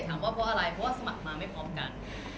แล้วถ้าสมัครมากไปเล่นว่าเพราะอะไร